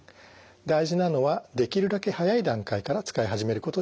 大事なのはできるだけ早い段階から使い始めることです。